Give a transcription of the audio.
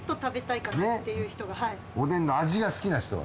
おでんの味が好きな人が。